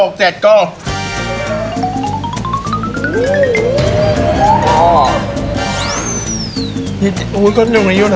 โอ้ยก็ยังไม่ยุ่นหรอ